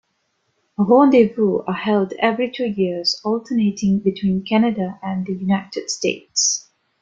Rendezvous are held every two years, alternating between Canada and the United States.